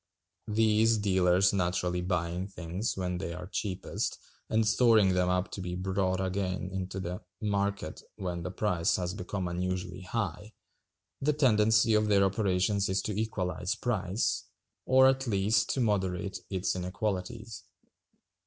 These dealers naturally buying things when they are cheapest, and storing them up to be brought again into the market when the price has become unusually high, the tendency of their operations is to equalize price, or at least to moderate its inequalities.